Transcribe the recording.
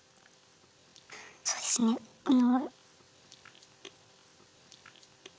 そうですねあの。